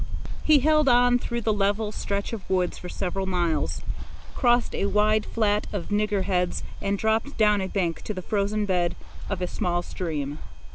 He held on through the level stretch of woods for several miles, crossed a wide flat of nigger heads, and dropped down a bank to the frozen bed of a small stream.